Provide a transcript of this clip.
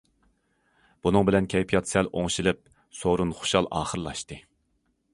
بۇنىڭ بىلەن كەيپىيات سەل ئوڭشىلىپ، سورۇن خۇشال ئاخىرلاشتى.